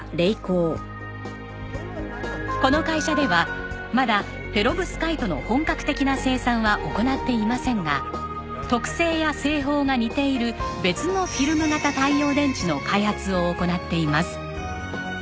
この会社ではまだペロブスカイトの本格的な生産は行っていませんが特性や製法が似ている別のフィルム型太陽電池の開発を行っています。